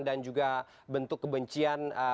dan juga bentuk kebencian